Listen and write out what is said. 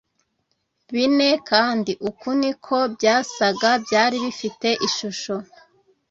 Bine kandi uku ni ko byasaga byari bifite ishusho